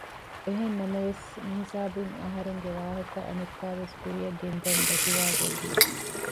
އެހެންނަމަވެސް މިހިސާބުން އަހަރެންގެ ވާހަކަ އަނެއްކާވެސް ކުރިއަށް ގެންދަން ދަތިވާގޮތް ވި